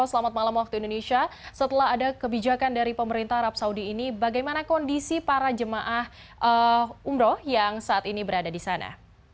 selamat malam waktu indonesia setelah ada kebijakan dari pemerintah arab saudi ini bagaimana kondisi para jemaah umroh yang saat ini berada di sana